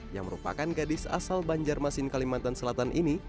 yang merupakan gadis asal banjarmasin kalimantan selatan ini